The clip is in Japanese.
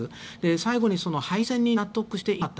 最後に敗戦に納得していなかった。